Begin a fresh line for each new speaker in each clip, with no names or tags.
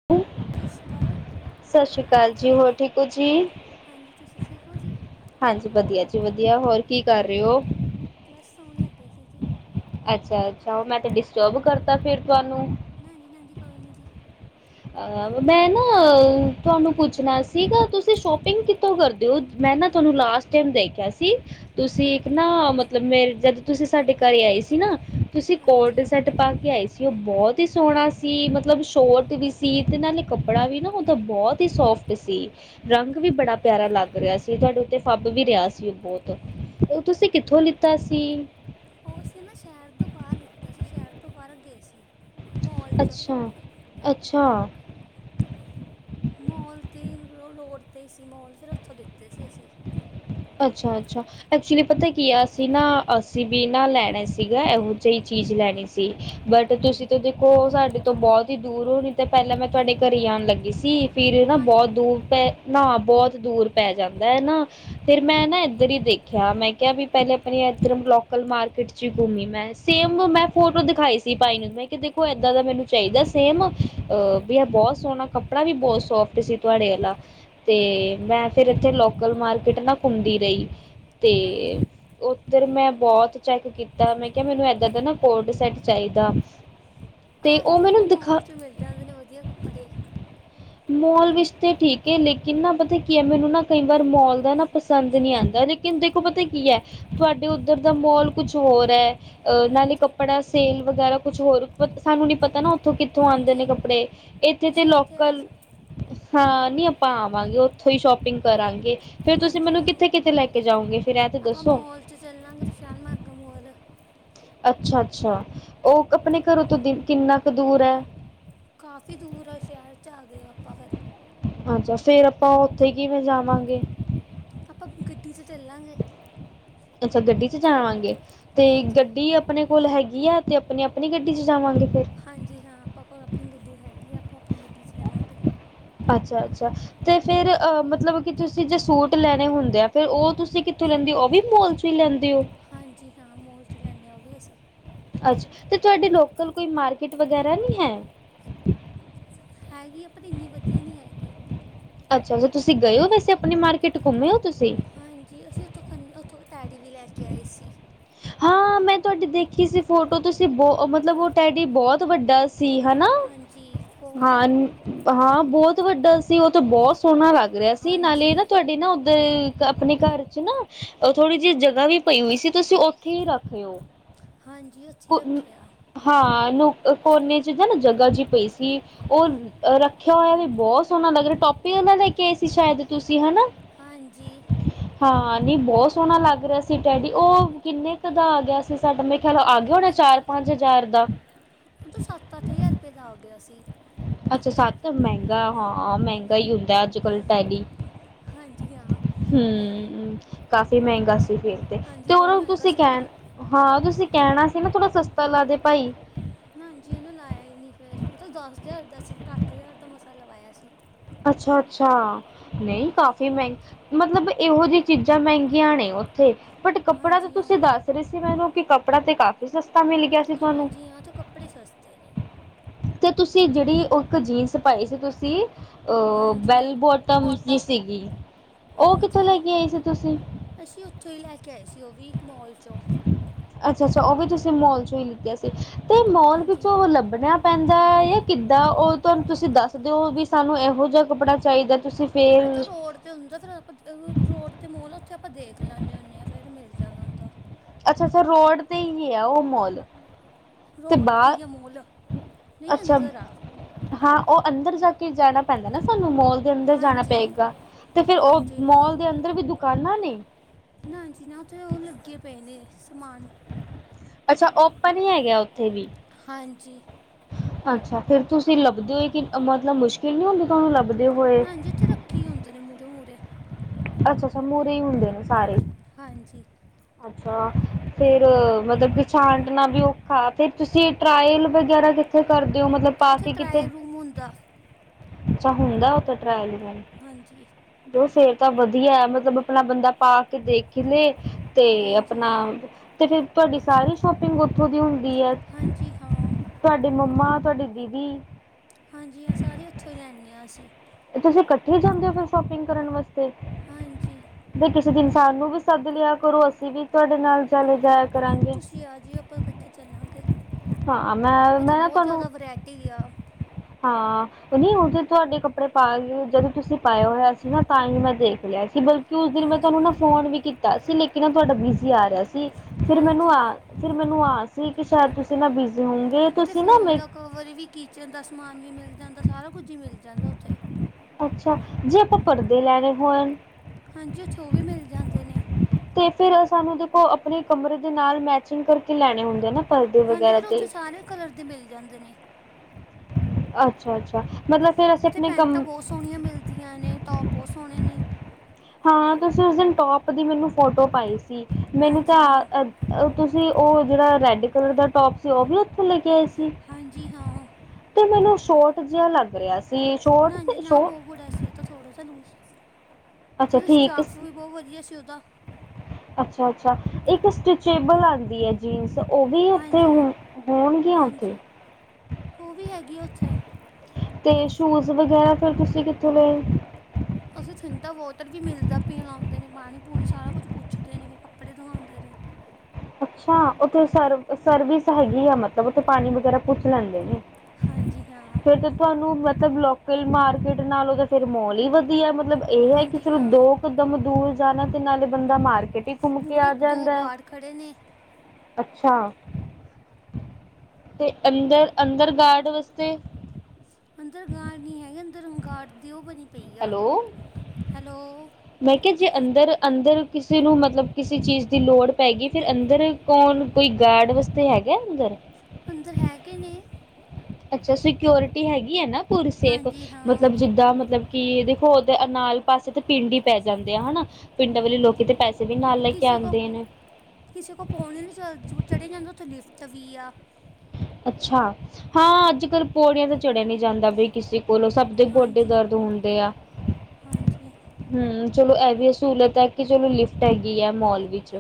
[inaudible]
ਸਸ਼ੀ ਕਾਲ।
ਸਸ਼੍ਰੀ ਕਾਲ ਜੀ, ਹੋਰ ਠੀਕ ਓ ਜੀ?
ਹਾਂਜੀ, ਤੁਸੀਂ ਠੀਕ ਓ ਜੀ?
ਹਾਂਜੀ ਵਦੀਆ ਜੀ ਵਦੀਆ, ਹੋਰ ਕੀ ਕਰ ਰੇ ਓ?
ਬਸ ਸੋਣ ਲੱਗੇ ਸੀ ਜੀ।
ਅੱਛਾ-ਅੱਛਾ ਓ ਮੈਂ ਤੇ ਡਿਸਟਰਬ ਕਰਤਾ ਫੇਰ ਤੁਆਨੂੰ।
ਨਾ ਜੀ ਕੋਈ ਨੀ ਜੀ।
ਅ ਮੈਂ ਨਾ ਤੁਆਨੂੰ ਪੁੱਛਣਾ ਸੀਗਾ ਤੁਸੀਂ ਸ਼ੋਪਿੰਗ ਕਿ ਥੋ ਕਰਦੇ ਓ ਮੈਂ ਨਾ ਤੁਆਨੂੰ ਲਾਸਟ ਟੈਮ ਦੇਖੇਆ ਸੀ ਤੁਸੀਂ ਇੱਕ ਨਾ ਮਤਲਬ ਮੇਰੇ ਜਦੋਂ ਤੁਸੀਂ ਸਾਡੇ ਘਰੇ ਆਏ ਸੀ ਨਾ ਤੁਸੀਂ ਕੋਡ ਸੈਟ ਪਾ ਕੇ ਆਏ ਸੀ, ਓ ਬੋਤ ਈ ਸੋਣਾ ਸੀ, ਮਤਲਬ ਸ਼ੋਰਟ ਵੀ ਸੀ ਸੀ ਤੇ ਨਾਲੇ ਕੱਪੜਾ ਵੀ ਨਾਂ ਓਹਦਾ ਬੋਤ ਈ ਸੋਫਟ ਸੀ। ਰੰਗ ਵੀ ਬੜਾ ਪਿਆਰਾ ਲੱਗ ਰਿਆ ਸੀ, ਤੁਆਡੇ ਓਤੇ ਫੱਬ ਵੀ ਰਿਆ ਸੀ ਓ ਬੋਤ। ਓ ਤੁਸੀਂ ਕਿੱਥੋਂ ਲਿੱਤਾ ਸੀ?
ਓ ਅਸੀਂ ਨਾ ਸ਼ੈਰ ਤੋਂ ਬਾਰ ਲਿੱਤਾ ਸੀ, ਸ਼ੈਰ ਤੋਂ ਬਾਰ ਗੇ ਸੀ।
ਅੱਛਾ-ਅੱਛਾ।
ਮੋਲ ਤੇ ਰ ਰੋਡ ਤੇ ਸੀ ਮੋਲ ਫੇਰ ਓਥੋਂ ਲਿੱਤੇ ਸੀ ਅਸੀਂ।
ਅੱਛਾ-ਅੱਛਾ। ਐਕਚੁਲੀ ਪਤਾ ਕੀ ਆ ਅਸੀਂ ਨਾ, ਅਸੀਂ ਵੀ ਨਾ ਲੈਣੈ ਸੀਗਾ, ਏਹੋ ਜੇਈ ਚੀਜ਼ ਲੈਣੀ ਸੀ ਸੀ, ਬਟ ਤੁਸੀਂ ਤਾਂ ਦੇਖੋ ਸਾਡੇ ਤੋਂ ਬੋਤ ਈ ਦੂਰ ਓ ਨਈਂ ਤਾਂ ਪੈਲਾਂ ਮੈਂ ਤੁਆਡੇ ਘਰੇ ਈ ਆਣ ਲੱਗੀ ਸੀ। ਫਿਰ ਨਾਂ ਬੋਤ ਦੂਰ ਪੈ, ਨਾਂ ਬੋਤ ਦੂਰ ਪੈ ਜਾਂਦਾ ਐ ਨਾਂ। ਫੇਰ ਮੈਂ ਨਾਂ ਏਦਰ ਈ ਦੇਖਿਆ, ਮੈਂ ਕਿਆ ਵੀ ਪੈਲੇ ਆਪਣੀ ਏਦਰ ਲੋਕਲ ਮਾਰਕੀਟ ਚ ਘੁੰਮੀ ਮੈਂ, ਸੇਮ ਮੈਂ ਫੋਟੋ ਦਿਖਾਈ ਸੀ ਭਾਈ ਨੂੰ ਮੈਂ ਕਿਆ ਦੇਖੋ ਏਦਾਂ ਦਾ ਮੈਨੂੰ ਚਾਈਦਾ ਸੇਮ ਅ ਵੀ ਐ ਬੋਹ ਸੋਣਾ ਕੱਪੜਾ ਵੀ ਬੋਹ ਸੋਫਟ ਸੀ ਤੁਆਡੇ ਆਲਾ, ਤੇ ਮੈਂ ਫੇਰ ਏਥੇ ਲੋਕਲ ਮਾਰਕਿਟ ਨਾਂ ਘੁੰਮਦੀ ਰਈ, ਤੇ ਓ ਫੇਰ ਮੈਂ ਬੋਤ ਚੈੱਕ ਕੀਤਾ, ਮੈਂ ਕਿਆ ਮੈਨੂੰ ਏਦਾਂ ਦਾ ਨਾਂ ਕੋਡ-ਸੈਟ ਚਾਈਦਾ।
ਆਹ ਏਥੇ ਆਪਣੇ ਮੋਲ 'ਚ ਮਿਲ ਜਾਂਦੇ ਨੇਂ, ਵਧੀਆ ਕੱਪੜੇ।
ਮੋਲ ਵਿੱਚ ਤੇ ਠੀਕ ਏ ਲੇਕਿਨ ਨਾਂ ਪਤਾ ਕੀ ਐ ਮੈਨੂੰ ਨਾਂ ਕਈ ਵਾਰ ਮੌਲ ਦਾ ਨਾਂ ਪਸੰਦ ਨੀਂ ਆਂਦਾ ਲੇ ਕਿਨ ਦੇਖੋ ਪਤਾ ਕੀ ਐ, ਤੁਹਾਡੇ ਉੱਧਰ ਦਾ ਮੋਲ ਕੁਛ ਹੋਰ ਐ ਅ ਨਾਲੇ ਕੱਪੜਾ, ਸੇਲ ਵਗੈਰਾ ਕੁਛ ਹੋਰ ਪਰ ਸਾਨੂੰ ਨੀਂ ਪਤਾ ਨਾਂ ਕਿੱਥੋਂ-ਕਿੱਥੋਂ ਆਂਦੇ ਨੇਂ ਕੱਪੜੇ, ਇੱਥੇ ਤੇ ਲੋਕਲ ਹਾਂ, ਨਈਂ ਆਪਾਂ ਆਵਾਂਗੇ, ਉੱਥੋਂ ਈ ਸ਼ੋਪਿੰਗ ਕਰਾਂਗੇ ਫੇਰ ਤੁਸੀਂ ਮੈਨੂੰ ਕਿੱਥੇ-ਕਿੱਥੇ ਲੈ ਕੇ ਜਾਓਗੇ? ਫੇਰ ਇਹ ਤੇ ਦੱਸੋ?
ਉੱਥੇ ਚਲਾਗੇ, ਵਿਸ਼ਾਲ ਮੈਗਾ ਮੋਲ।
ਅੱਛਾ-ਅੱਛਾ, ਉਹ ਆਪਣੇ ਘਰੋਂ ਤੋਂ ਦ-ਕਿੰਨਾ ਕੁ ਦੂਰ ਐ?
ਕਾਫੀ ਦੂਰ ਆਂ ਸ਼ੈਰ 'ਚ ਆ ਗਏ ਆਪਾਂ ਫ਼ੇਰ।
ਅੱਛਾ, ਫੇਰ ਆਪਾਂ ਉੱਥੇ ਕਿਵੇਂ ਜਾਵਾਂਗੇ?
ਆਪਾਂ ਗੱਡੀ 'ਚ ਚੱਲਾਂਗੇ।
ਅੱਛਾ, ਗੱਡੀ 'ਚ ਜਾਵਾਂਗੇ, ਤੇ ਗੱਡੀ ਅਪ ਆਪਣੇ ਕੋਲ ਹੈਗੀ ਆਂ ਅਤੇ ਆਪਣੀ-ਆਪਣੀ ਗੱਡੀ 'ਚ ਜਾਵਾਂਗੇ ਫ਼ੇਰ।
ਹਾਂਜੀ ਹਾਂ, ਆਪਾਂ ਕੋਲ ਆਪਣੀ ਗੱਡੀ ਹੈਗੀ ਆ ਆਪਾਂ ਆਪਣੀ ਗੱਡੀ 'ਚ ਜਾਵਾਂਗੇ।
ਅੱਛਾ-ਅੱਛਾ, ਤੇ ਫੇਰ ਅ ਮਤਲਬ ਕਿ ਤੁਸੀਂ ਜੇ ਸੂਟ ਲੈਣੇ ਹੁੰਦੇ ਆਂ ਫੇਰ ਉਹ ਤੁਸੀਂ ਕਿੱਥੋਂ ਲੈਂਦੇ ਓ? ਉਹ ਵੀ ਮੋਲ ਚ' ਈ ਲੈਂਦੇ ਓ?
ਹਾਂਜੀ ਹਾਂ, ਮੋਲ 'ਚ ਲੈਂਨੇਂ ਆਂ ਉਹ ਵੀ ਅਸੀਂ।
ਅੱਛਾ, ਤੇ ਤੁਹਾਡੇ ਲੋਕਲ ਕੋਈ ਮਾਰਕੀਟ ਵਗੈਰਾ ਨੀ ਹੈ?
ਹੈਗੀ ਆਂ, ਪਰ ਇੰਨੀ ਵਧੀਆ ਨੀਂ ਹੈਗੀ।
ਅੱਛਾ-ਅੱਛਾ ਤੁਸੀਂ ਗਏ ਓ ਵੈਸੇ ਆਪਣੀ ਮਾਰਕੀਟ ਘੁੰਮੇ ਓ ਤੁਸੀਂ?
ਹਾਂਜੀ, ਅਸੀਂ ਉੱਥੋਂ ਖਨੇ, ਉੱਥੋਂ ਟੇਡੀ ਵੀ ਲੈ ਕੇ ਆਏ ਸੀ।
ਹਾਂ, ਮੈਂ ਤੁਹਾਡੀ ਦੇਖੀ ਸੀ ਫੋਟੋ ਤੁਸੀਂ ਬਹੁ ਮਤਲਬ ਉਹ ਟੈਡੀ ਬਹੁਤ ਵੱਡਾ ਸੀ, ਹਨਾਂ? ਹਾਂ ਹਾਂ, ਬਹੁਤ ਵੱਡਾ ਸੀ, ਉਹ ਤਾਂ ਬਹੁਤ ਸੋਹਣਾ ਲੱਗ ਰਿਹਾ ਸੀ, ਨਾਲੇ ਨਾ ਤੁਹਾਡੇ ਨਾ [unintelligible] ਆਪਣੇ ਘਰ ਚ' ਨਾਂ, ਓ ਥੋੜ੍ਹੀ ਜਿਹੀ ਜਗ੍ਹਾ ਵੀ ਪਈ ਹੋਈ ਸੀ ਤੁਸੀਂ ਉੱਥੇ ਈ ਰੱਖ ਲੇਓ।
ਹਾਂਜੀ, ਉਥੀ ਰੱਖਿਆ।
ਹਾਂ, ਨੁ, ਕੋਨੇ ਚ' ਨਾਂ ਜਗ੍ਹਾ ਜਿਹੀ ਪਈ ਸੀ ਉਹ ਰੱਖਿਆ ਹੋਇਆ ਵੀ ਬਹੁਤ ਸੋਹਣਾ ਲੱਗ ਰਿਹਾ, ਟੱਪ ਈ ਨਾਲ ਲੈ ਕੇ ਆਏ ਸੀ ਸ਼ਾਇਦ ਤੁਸੀਂ ਹਨਾਂ?
ਹਾਂਜੀ।
ਹਾਂ, ਨੀ ਬਹੁਤ ਸੋਹਣਾ ਲੱਗ ਰਿਹਾ ਸੀ ਟੈਡੀ ਉਹ ਕਿੰਨੇ ਕੁ ਦਾ ਆ ਗਿਆ ਸੀ, ਸਾਡਾ ਮੇਰੇ ਖਿਆਲ ਆ ਗਿਆ ਹੋਣੇ ਚਾਰ-ਪੰਜ ਹਜ਼ਾਰ ਦਾ।
ਉਹ ਤਾਂ ਸੱਤ-ਅੱਠ ਹਜ਼ਾਰ ਰੁਪਏ ਦਾ ਆ ਗਿਆ ਸੀ।
ਅੱਛਾ, ਸੱਤ? ਮਹਿੰਗਾ ਹਾਂ ਮਹਿੰਗਾ ਈ ਹੁੰਦਾ ਅੱਜ-ਕੱਲ ਟੈਡੀ।
ਹਾਂਜੀ, ਹਾਂ।
ਹੂੰ ਕਾਫੀ ਮਹਿੰਗਾ ਸੀ ਫਿਰ ਤੇ ਉਹਨਾਂ ਨੂੰ ਤੁਸੀਂ ਕਹਿਣ ਹਾਂ, ਤੁਸੀਂ ਕਹਿਣਾ ਸੀ ਨਾ ਥੋੜਾ ਸਸਤਾ ਲਾ ਦੇ ਭਾਈ।
ਹਾਂਜੀ, ਉਹਨੇ ਲਾਇਆ ਹੀ ਨਹੀਂ ਫੇਰ ਮਤਲਬ ਦਸ ਹਜ਼ਾਰ ਦਾ ਸੀ। ਫਿਰ ਅੱਠ ਹਜ਼ਾਰ ਦਾ ਮਸਾ ਲਵਾਇਆ ਸੀ।
ਅੱਛਾ-ਅੱਛਾ, ਨਹੀਂ ਕਾਫ਼ੀ ਮਹਿੰ ਮਤਲਬ ਇਹੋ ਜਿਹੀਆਂ ਚੀਜ਼ਾਂ ਮਹਿੰਗੀਆਂ ਨੇ ਉ ਥੇ ਬਟ ਕੱਪੜਾ ਤਾਂ ਤੁਸੀਂ ਦੱਸ ਰਹੇ ਸੀ। ਮੈਨੂੰ ਕਿ ਕੱਪੜਾ ਤੇ ਕਾਫ਼ੀ ਸਸਤਾ ਮਿਲ ਗਿਆ।
ਹਾਂਜੀ ਹਾਂ, ਤਾਂ ਕੱਪੜੇ ਸਸਤੇ ਨੇ।
ਤੇ ਤੁਸੀਂ ਜਿਹੜੀ ਉਹ ਇੱਕ ਜੀਨਸ ਪਾਈ ਸੀ ਤੁਸੀਂ ਅਹ ਬੈਲ ਬੋਟਮ ਦੀ ਸੀਗੀ। ਉਹ ਕਿੱਥੋਂ ਲੈ ਕੇ ਆਈ ਸੀ ਤੁਸੀਂ?
ਅਸੀਂ ਉੱਥੋਂ ਹੀ ਲੈ ਕੇ ਆਏ ਸੀ ਉਹ ਵੀ ਮੋਲ ਚੋਂ।
ਅੱਛਾ ਅੱਛਾ ਓ ਵੀ ਤੁਸੀ ਮੋਲ ਚੋ ਈ ਲਿਤੀਆਂ ਸੀ ਤੇ ਮੋਲ ਵਿੱਚੋਂ ਲੱਭਨਾ ਪੈਂਦਾ ਏ ਯਾ ਕਿੱਦਾਂ ਓ ਤੁਆਨੂੰ ਤੁਸੀ ਦੱਸ ਦਿਓ ਵੀ ਸਾਨੂੰ ਇਹੋ ਜਿਆ ਕੱਪੜਾ ਚਾਈਦਾ ਤੁਸੀ
ਓ ਤਾ ਰੋਡ ਤੇ ਹੁੰਦਾ ਤੇਰ ਰੋਡ ਤੇ ਮੋਲ ਆ ਓਥੇ ਆਪਾਂ ਦੇਖ ਲੈਂਨੇ ਹੁੰਨੇ ਆਂ ਫੇਰ ਮਿਲ ਜਾਨਾ ਹੁੰਦਾ।
ਅੱਛਾ ਅੱਛਾ ਰੋਡ ਤੇ ਈ ਐ ਓ ਮੋਲ।
ਰੋਡ ਤੇ ਈ ਆ ਮੋਲ ਨਈ ਅੰਦਰ ਆ।
ਹਾਂ ਓ ਅੰਦਰ ਜਾ ਕੇ ਜਾਨਾ ਪੈਨਾ ਨਾ ਸਾਨੂੰ ਮੋਲ। ਦੇ ਅੰਦਰ ਜਾਣਾ ਪਏਗਾ ਤੇ ਫੇਰ ਓ ਮੋਲ ਦੇ ਅੰਦਰ ਵੀ ਦੁਕਾਨਾਂ ਨੇ?
ਨਾਂ ਜੀ ਨਾਂ ਓਥੇ ਓ ਲੱਗੇ ਪਏ ਨੇ ਸਮਾਨ।
ਅੱਛਾ ਓਪਨ ਈ ਹੈਗਾ ਓਥੇ ਵੀ। ਅੱਛਾ ਫੇਰ ਤੁਸੀ ਲੱਭਦੇ ਓ ਕਿ ਮਤਲਬ ਮੁਸ਼ਕਿਲ ਨੀ ਹੁੰਦੀ ਤਾਨੂੰ ਲੱਭਦੇ ਹੋਏ।
ਓਥੇ ਰੱਖੇ ਈ ਹੋਂਦੇ ਨੇ ਮੂਰੇ ਮੂਰੇ।
ਅੱਛਾ ਅੱਛਾ ਮੂਰੇ ਈ ਹੁੰਦੇ ਨੇ ਸਾਰੇ।
ਹਾਂਜੀ
ਅੱਛ ਅੱਛਾ ਫੇਰ ਮਤਲ ਕਿ ਛਾਂਟਨਾ ਵੀ ਔਖਾ ਫੇਰ ਤੁਸੀ ਟਰਾਇਲ ਵਗੈਰਾ ਕਿਥੇ ਕਰਦੇ ਓ ਮਤਲਬ ਪਾ ਕੇ ਕਿਥੇ? ਅੱਛਾ ਹੁੰਦਾ ਉਥੇ ਟਰਾਇਲ ਵਗੈਰਾ।
ਹਾਂਜੀ
ਫੇਰ ਤਾਂ ਵਧੀਆ ਐ ਮਤਲਬ ਆਪਨਾ ਬੰਦਾ ਪਾ ਕੇ ਕੇ ਦੇਖੀ ਲੇ ਤੇ ਆਪਨਾ ਤੇ ਫਿਰ ਤੁਆਡੀ ਸਾਰੀ ਸ਼ੋਪਿੰਗ ਓਥੋ ਦੀ ਹੁੰਦੀ ਐ। ਤੁਆਡੇ ਮੰਮਾ ਤੁਆਡੀ ਦੀਦੀ
ਹਾਂਜੀ ਹਾ ਸਾਰੇ ਓਥੋਂ ਲੈਨੇ ਆ ਅਸੀਂ।
ਤੁਸੀ ਕੱਠੇ ਈ ਜਾਂਦੇ ਓ ਫਿਰ ਸ਼ੋਪਿੰਗ ਕਰਨ ਵਾਸਤੇ?
ਹਾਂਜੀ
ਬੀ ਕਿਸੇ ਦਿਨ ਸਾਨੂੰ ਵੀ ਸੱਦ ਲਿਆ ਕਰੋ ਅਸੀ ਵੀ ਤੁਆਡੇ ਨਾਲ ਚਲ ਜਾਇਆ
ਤੁਸੀ ਆ ਜਿਓ ਆਪਾਂ ਇਕੱਠੇ ਚੱਲਾਂਗੇ, ਓਥੇ ਬੌਤ ਜਆਦਾ ਵਰੈਟੀ ਆ।
ਹਾਂ ਨਈ ਹੁਣ ਤੇ ਤੁਆਡੇ ਕੱਪੜੇ ਪਾ ਏ ਜਦੋ ਤੁਸੀ ਪਾਇਆ ਹੋਇਆ ਸੀ ਨਾ ਤਾਂ ਈ ਮੈਂ ਦੇਖ ਲਿਆ ਸੀ ਬਲਕ ਕਿ ਉਸ ਦਿਨ ਮੈਂ ਤਾਨੂੰ ਨਾ ਫੋਨ ਵੀ ਕੀਤਾ ਸੀ ਲੇਕਿਨ ਤੁਆਡਾ ਬਿਜੀ ਆ ਰੇਆ ਸੀ ਫੇਰ ਮੈਨੂੰ ਆ ਫੇਰ ਮੈਨੂੰ ਆਸ ਸੀ ਕਿ ਸ਼ਾਇਦ ਤੁਸੀ ਨਾ ਬਿਜ਼ੀ ਹੋਓਗ
ਓਥੇ ਫ਼ੋਨ ਦਾ ਕਵਰ ਵੀ ਕਿਚਨ ਦਾ ਸਮਾਨ ਵੀ ਮਿਲ ਜਾਂਦਾ ਸਾਰਾ ਕੁਝ ਈ ਮਿਲ ਜਾਂਦਾ ਓਥੇ।
ਅੱਛਾ ਜੇ ਆਪਾਂ ਪਰਦੇ ਲੈਣੇ ਹੋਨ?
ਹਾਂਜੀ ਓਥੇ ਓ ਵੀ ਮਿਲ ਜਾਂਦੇ ਨੇ।
ਤੇ ਫਿਰ ਓ ਸਾਨੂੰ ਦੇਖੋ ਆਪਣੇ ਕਮਰੇ ਦੇ ਨਾਲ ਮੈਚਿੰਗ ਕਰਕੇ ਲੈਣੇ ਹੁੰਦੇ ਨਾ।
ਹਾਂਜੀ ਫੇਰ ਓਥੇ ਸਾਰੇ ਕਲਰ ਦੇ ਮਿਲ ਜਾਂਦੇ ਨੇ।
ਅੱਛਾ, ਅੱਛਾ ਮਤਲਬ ਫੇਰ ਅਸੀ ਆਪਣੇ ਕਮ
ਸੋਣੀਆਂ ਮਿਲਦੀਆਂ ਨੇ ਟੋਪ ਬੌਤ ਸੋਣੇ ਨੇ।
ਹਾਂ ਤੁਸੀ ਉਸ ਦਿਨ ਟੋਪ ਦੀ ਮੈਨੂੰ ਫੋਟੋ ਪਾਈ ਸੀ ਮੈਨੂੰ ਤਾਂ ਆ ਤੁਸੀ ਓ ਜੇੜਾ ਰੈਡ ਕਲਰ ਦਾ ਟੋਪ ਸੀ ਓ ਵੀ ਏਥੋਂ ਲੈ ਕੇ ਆਏ ਸੀ?
ਹਾਂਜੀ, ਹਾਂ
ਤੇ ਮੈਨੂੰ ਸ਼ੋਰਟ ਜਿਆ ਲੱਗ ਰਿਆ ਸੀ।
ਨਾਂਜੀ ਨਾਂ ਬੌਤ ਬੜਾ ਸੀ ਓ ਤਾਂ ਥੋੜ੍ਹਾ ਜੇਆ ਲੂਸ ਓਦੋ ਸਟਾਫ ਵੀ ਬੌ ਵਧੀਆ ਸੀ ਉਦਾ।
ਅੱਛਾ, ਅੱਛਾ ਇੱਕ ਸਟਿੱਚੇਬਲ ਆਂਦੀ ਐ। ਜੀਨਸ ਉਹ ਵੀ ਉੱਥੇ ਹੋ ਹੋਣਗੀਆਂ ਉੱਥੇ
ਉਹ ਵੀ ਹੈਗੀ ਉੱਥੇ।
ਤੇ ਸ਼ੂਜ ਵਗੈਰਾ ਫੇਰ ਤੁਸੀਂ ਕਿੱਥੋਂ ਲਏ।
ਅਸੀਂ ਠੰਡਾ ਵਾਟਰ ਵੀ ਮਿਲਦਾ ਪੀਣ ਲਾਉਂਦੇ ਨੇ ਪਾਣੀ- ਪੂਣੀ ਸਾਰਾ ਕੁਛ ਪੁੱਛਦੇ ਨੇ ਫਿਰ ਕੱਪੜੇ ਦਿਖਾਉਂਦੇ ਨੇ।
ਅੱਛਾ! ਉੱਥੇ ਸਰਵ ਸਰਵਿਸ ਹੈਗੀ ਆ ਮਤਲਬ ਉੱਥੇ ਪਾਣੀ ਵਗੈਰਾ ਪੁੱਛ ਲੈਂਦੇ ਨੇ।
ਹਾਂਜੀ, ਹਾਂ।
ਤੁਹਾਨੂੰ ਮਤਲਬ ਲੋਕਲ ਮਾਰਕੀਟ ਨਾਲੋਂ ਤਾਂ ਫਿਰ ਮੋਲ ਹੀ ਵਧੀਆ ਮਤਲਬ ਇਹ ਹੈ ਕਿ ਸਿਰਫ ਦੋ ਉਦਮ ਦੂਰ ਜਾਣਾ ਤੇ ਨਾਲੇ ਬੰਦਾ ਮਾਰਕੀਟ ਹੀ ਘੁੰਮ ਕੇ ਆ ਜਾਂਦਾ ਹੈ।
ਖੜੇ ਨੇ।
ਅੱਛਾ। ਤੇ ਅੰਦਰ- ਅੰਦਰ ਗਾਰਡ ਵਾਸਤੇ
ਅੰਦਰ ਗਾਰਡ ਨਹੀਂ ਹੈਗੇ ਅੰਦਰ ਗਾਰਡ ਦੀਓ ਬਣੀ ਪਈ ਆ। ਹੈਲੋ,
ਮੈਂ ਕਿਹਾ ਜੇ ਅੰਦਰ- ਅੰਦਰ ਕਿਸੇ ਨੂੰ ਮਤਲਬ ਕਿਸੇ ਚੀਜ਼ ਦੀ ਲੋੜ ਪੈਗੀ ਫਿਰ ਅੰਦਰ ਕੌਣ, ਕੋਈ ਗਾਰਡ ਵਾਸਤੇ ਹੈਗੇ ਅੰਦਰ।
ਅੰਦਰ ਹੈਗੇ ਨੇ।
ਅੱਛਾ ਸਕਿਓਰਟੀ ਹੈਗੀ ਹੈ ਨਾ ਪੂਰੀ ਸੇਫ, ਮਤਲਬ ਜਿੱਦਾਂ ਮਤਲਬ ਕੀ ਦੇਖੋ ਉਹਦੇ ਅ ਨਾਲ ਪਾਸੇ ਤਾਂ ਪਿੰਡ ਹੀ ਪੈ ਜਾਂਦੇ ਆ ਹਨਾ। ਪਿੰਡਾਂ ਵਾਲੇ ਲੋਕ ਤੇ ਪੈਸੇ ਵੀ ਨਾਲ ਲੈ ਕੇ ਆਉਂਦੇ ਨੇ।
ਕਿਸੇ ਕੋ ਪੋਣੀ ਨੀ ਚੜ੍ਹਿਆ ਜਾਂਦਾ ਤਾਂ ਲਿਫਟ ਵੀ ਆ।
ਅੱਛਾ। ਹਾਂ ਅੱਜ ਕੱਲ ਪੌੜੀਆਂ ਤਾਂ ਚੜਿਆ ਨੀ ਜਾਂਦਾ ਬਈ। ਕਿਸੇ ਕੋਲੋਂ, ਸਭ ਦੇ ਗੋਡੇ ਦਰਦ ਹੁੰਦੇ ਆ।
ਹਾਂਜੀ।
ਹੂ, ਚਲੋ ਇਹ ਵੀ ਸਹੂਲਤ ਹੈ ਕਿ ਚਲੋ ਲਿਫਟ ਹੈਗੀ ਹੈ ਮੋਲ ਵਿੱਚ।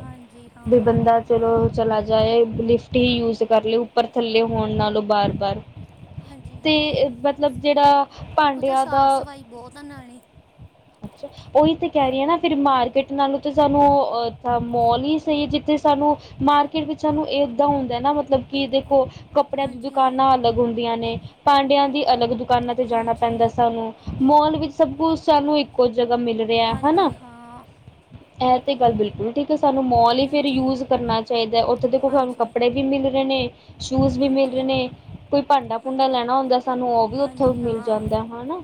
ਵੀ ਬੰਦਾ ਚਲੋ ਚਲਾ ਜਾਏ, ਲਿਫਟ ਹੀ ਯੂਜ ਕਰ ਲੁ ਉੱਪਰ ਥੱਲੇ ਹੋਣ ਨਾਲੋਂ ਬਾਰ -ਬਾਰ। ਤੇ ਮਤਲਬ ਜਿਹੜਾ ਭਾਂਡਿਆਂ ਦਾ
ਭਾਈ ਬਹੁਤ ਨਾਲ।
ਅੱਛਾ। ਉਹੀ ਤੇ ਕਹਿ ਰਹੀ ਹ ਨਾ ਫਿਰ ਮਾਰਕੀਟ ਨਾਲੋਂ ਤੇ ਸਾਨੂੰ ਮੋਲ ਹੀ ਸਹੀ ਜਿੱਥੇ ਸਾਨੂੰ ਮਾਰਕੀ ਵਿੱਚ ਨੂੰ ਇਹ ਏਦਾਂ ਹੁੰਦਾ ਨਾ ਮਤਲਬ ਕਿ ਦੇਖੋ ਕੱਪੜਿਆਂ ਦੀ ਦੁਕਾਨਾਂ ਅਲੱਗ ਹੁੰਦੀਆਂ ਨੇ, ਭਾਂਡਿਆਂ ਦੀ ਅਲੱਗ ਦੁਕਾਨਾਂ ਤੇ ਜਾਣਾ ਪੈਂਦਾ ਸਾਨੂੰ। ਮੋਲ ਵਿੱਚ ਸਭ ਕੁਛ ਸਾਨੂੰ ਇੱਕੋ ਜਗ੍ਹਾ ਮਿਲ ਰਿਹਾ ਹਨਾ। ਇਹ ਤੇ ਗੱਲ ਬਿਲਕੁਲ ਸਾਨੂੰ ਮੋਲ ਹੀ ਫੇਰ ਯੂਜ ਕਰਨਾ ਚਾਹੀਦਾ ਹੈ ਉੱਥੇ ਦੇਖੋ ਸਾਨੂੰ ਕੱਪੜੇ ਵੀ ਮਿਲ ਰਹੇ ਨੇ। ਸ਼ੂਜ ਵੀ ਮਿਲ ਰਹੇ ਨੇ, ਕੋਈ ਭਾਂਡਾ ਭੂੰਡਾ ਲੈਣਾ ਹੁੰਦਾ ਸਾਨੂੰ ਉਹ ਵੀ ਉੱਥੇ ਮਿਲ ਜਾਂਦਾ। ਹਨਾ।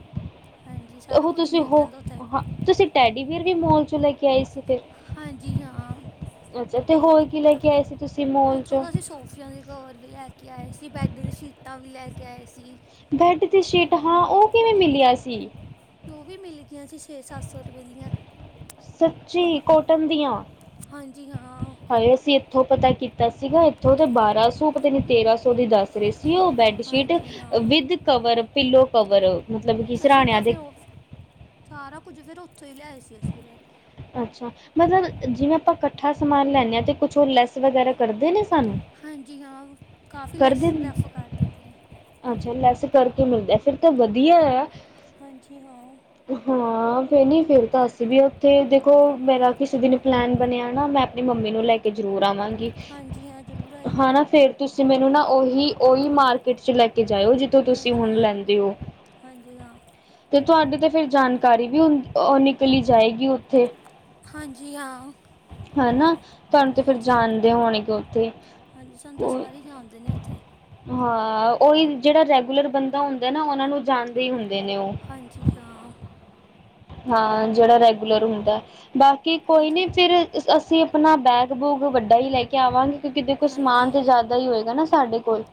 ਹਾਂਜੀ ਸਾਰਾ ਕੁਝ ਮਿਲ ਜਾਂਦਾ ਉੱਥੇ।
ਹਾਂ, ਤੁਸੀਂ ਟੈਡੀਬੀਅਰ ਵੀ ਮੋਲ ਚੋਂ ਲੈ ਕੇ ਆਈ ਸੀ ਫਿਰ।
ਹਾਂਜੀ, ਹਾਂ।
ਅੱਛਾ ਤੇ ਹੋਰ ਕੀ ਲੈ ਕੇ ਆਏ ਸੀ।
ਉੱਥੋਂ ਦਾ ਅਸੀਂ ਸੋਫੀਆਂ ਦੇ ਕਵਰ ਵੀ ਲੈ ਕੇ ਆਏ ਸੀ, ਬੈਡ ਦੀ ਸ਼ੀਟਾਂ ਵੀ ਲੈ ਕੇ ਆਏ ਸੀ।
ਬੈਡ ਤੇ ਸ਼ੀਟ, ਹਾਂ, ਉਹ ਕਿਵੇਂ ਮਿਲਿਆ ਸੀ।
ਉਹ ਵੀ ਮਿਲ ਗਈਆਂ ਸੀ ਛੇ- ਸੱਤ ਸੌ ਰੁਪਏ ਦੀਆਂ।
ਸੱਚੀ ਕੋਟਨ ਦੀਆਂ।
ਹਾਂਜੀ, ਹਾਂ।
ਹ ਅਸੀਂ ਇੱਥੋਂ ਪਤਾ ਕੀਤਾ ਸੀਗਾ ਇੱਥੋਂ ਤੇ ਬਾਰਾਂ ਸੌ ਪਤਾ ਨੀ ਤੇਰਾਂ ਸੌ ਦੀ ਦੱਸ ਰਹੇ ਸੀ ਉਹ bed sheet with cover, pillow cover ਮਤਲਬ ਕਿ ਸਰਾਣਿਆਂ ਦੇ।
ਸਾਰਾ ਕੁਝ ਫਿਰ ਉੱਥੋਂ ਹੀ ਲਿਆਏ ਸੀ ਅਸੀਂ ਫਿਰ।
ਅੱਛਾ। ਮਤਲਬ, ਜਿਵੇਂ ਆਪਾਂ ਇਕੱਠਾ ਸਮਾਨ ਲੈਂਨੇ ਆ ਤੇ ਕੁਛ ਓ ਲੈਸ ਵਗੈਰਾ ਕਰਦੇ ਨੇ ਸਾਨੂੰ?
ਹਾਂਜੀ ਹਾਂ, ਕਾਫੀ ਲੈਸ ਲੈਫ ਕਰ ਦਿੰਦੇ ਨੇ।
ਅੱਛਾ ਲੈਸ ਕਰਕੇ ਮਿਲਦੇ ਆ, ਫਿਰ ਤਾਂ ਵਧੀਆ ਆ।
ਹਾਂਜੀ, ਹਾਂ।
ਹਾਂ, ਫਿਰ ਨੀ ਫਿਰ ਦੱਸ ਵੀ ਉੱਥੇ 'ਦੇਖੋ ਮੇਰਾ ਕਿਸੇ ਦਿਨ ਪਲੈਨ ਬਣਿਆ ਨਾ ਮੈਂ ਆਪਣੀ ਮੰਮੀ ਨੂੰ ਲੈ ਕੇ ਜ਼ਰੂਰ ਆਵਾਂਗੀ। ਹਨਾ, ਫੇਰ ਤੁਸੀਂ ਮੈਨੂੰ ਨਾ ਉਹੀ -ਉਹੀ ਮਾਰਕੀਟ ਚ ਲੈ ਕੇ ਜਾਇਓ ਜਿੱ ਥੋਂ ਤੁਸੀਂ ਹੁਣ ਲੈਂਦੇ ਹੋ। ਤੇ ਤੁਹਾਡੀ ਤੇ ਫਿਰ ਜਾਣਕਾਰੀ ਵੀ ਹੁਨ, ਓ ਨਿਕਲੀ ਜਾਏਗੀ ਉੱਥੇ।
ਹਾਂਜੀ, ਹਾਂ।
ਹਨਾ, ਤੁਹਾਨੂੰ ਤੇ ਫਿਰ ਜਾਣਦੇ ਹੋਣੇਗੇ ਉੱਥੇ।
ਹਾਂਜੀ, ਸਾਨੂੰ ਤਾਂ ਸਾਰੇ ਹੀ ਜਾਣਦੇ ਨੇ ਉੱਥੇ।
ਹਾਂ, ਉਹੀ ਜਿਹੜਾ ਰੈਗੂਲਰ ਬੰਦਾ ਹੁੰਦਾ ਨਾ, ਉਹਨਾਂ ਨੂੰ ਜਾਣਦੇ ਹੀ ਹੁੰਦੇ ਨੇ ਉਹ।
ਹਾਂਜੀ, ਹਾਂ।
ਹਾਂ, ਜਿਹੜਾ ਰੈਗੂਲਰ ਹੁੰਦਾ, ਬਾਕੀ ਕੋਈ ਨੀ ਫਿਰ ਅਸੀਂ ਆਪਣਾ ਬੈਗ ਬੂਗ ਵੱਡਾ ਹੀ ਲੈ ਕੇ ਆਵਾਂਗੇ, ਕਿਉੰਕਿ ਦੇਖੋ ਸਮਾਨ ਤੇ ਜ਼ਿਆਦਾ ਹੀ ਹੋਏਗਾ ਨਾ, ਸਾਡੇ ਕੋਲ।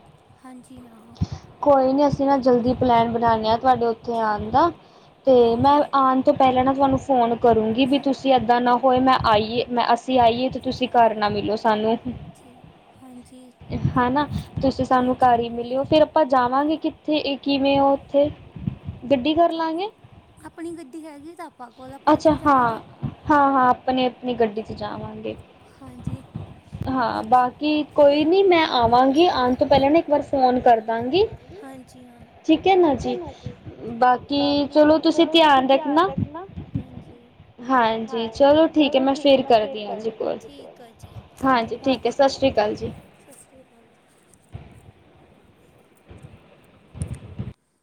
ਹਾਂਜੀ, ਹਾਂ।
ਕੋਈ ਨਹੀਂ ਅਸੀਂ ਨਾ ਜਲਦੀ ਪਲੈਨ ਬਣਾਨੇ ਹਾਂ ਤੁਹਾਡੇ ਉੱਥੇ ਆਣ ਦਾ, ਤੇ ਮੈਂ ਆਣ ਤੋਂ ਪਹਿਲਾਂ ਨਾ ਤੁਹਾਨੂੰ ਫੋਨ ਕਰੂੰਗੀ, ਵੀ ਤੁਸੀਂ ਏਦਾਂ ਨਾ ਹੋਏ ਮੈਂ ਆਈਏ, ਮੈਂ ਅਸਾਂ ਅਸੀਂ ਆਈਏ ਤੇ ਤੁਸੀਂ ਘਰ ਨਾ ਮਿਲੋ ਸਾਨੂੰ। ਹਨਾ, ਤੁਸੀਂ ਸਾਨੂੰ ਘਰ ਹੀ ਮਿਲਿਓ ਫਿਰ ਆਪਾਂ ਜਾਵਾਂਗੇ ਕਿੱਥੇ ਇਹ ਕਿਵੇਂ ਹੋ ਉੱਥੇ? ਗੱਡੀ ਕਰ ਲਵਾਂਗੇ।
ਆਪਣੀ ਗੱਡੀ ਹੈਗੀ ਤਾਂ।
ਅੱਛਾ ਹਾਂ, ਹਾਂ, ਹਾਂ ਆਪਣੀ -ਆਪਣੀ ਗੱਡੀ ਚ ਜਾਵਾਂਗੇ।
ਹਾਂਜੀ।
ਹਾਂ, ਬਾਕੀ ਕੋਈ ਨੀ ਮੈਂ
ਮੈਂ ਆਵਾਂਗੀ, ਮੈਂ ਆਣ ਤੋਂ ਪਹਿਲਾਂ ਫੋਨ ਕਰਦਾਗੀ। ਹਾਂਜੀ ਹਾਂ, ਠੀਕ ਏ ਨਾ ਜੀ। ਬਾਕੀ, ਚਲੋ ਤੁਸੀਂ ਧਿਆਨ ਰੱਖਣਾ। ਹਾਂਜੀ ਹਾਂਜੀ। ਚਲੋ ਠੀਕ ਹੈ, ਮੈਂ ਫੇਰ ਕਰਦੀ ਆ ਕੋਲ। ਠੀਕ ਆ ਜੀ। ਹਾਂ
ਸਤਿ ਸ਼੍ਰੀ ਅਕਾਲ ਜੀ।
ਸਸ ਸ਼੍ਰੀ ਅਕਾਲ ਜੀ।